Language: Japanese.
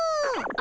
あ。